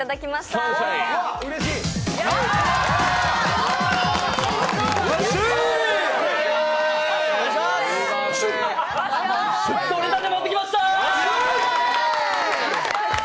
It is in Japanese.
とれたて持ってきました。